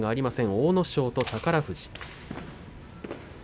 阿武咲と宝富士。